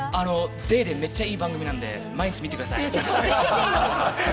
『ＤａｙＤａｙ．』めっちゃいい番組なんで、毎日見てください！